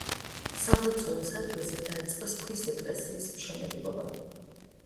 სამლოცველოს ადგილზე დაიწყეს ქვის ეკლესიის მშენებლობა.